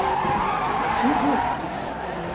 — Ысын һыу.